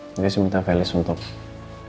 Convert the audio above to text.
jadi saya minta felis untuk cek